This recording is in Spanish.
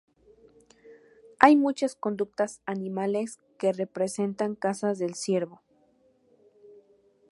Hay muchas conductas animales que representan cazas del ciervo.